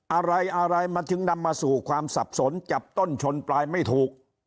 อะไรอะไรมันถึงนำมาสู่ความสับสนจับต้นชนปลายไม่ถูก